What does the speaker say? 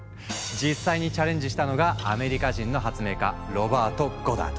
実際にチャレンジしたのがアメリカ人の発明家ロバート・ゴダード。